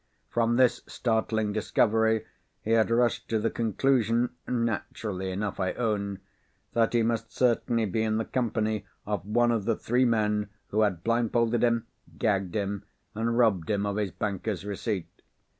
From this startling discovery he had rushed to the conclusion (naturally enough I own) that he must certainly be in the company of one of the three men, who had blindfolded him, gagged him, and robbed him of his banker's receipt.